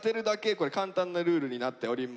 これ簡単なルールになっております。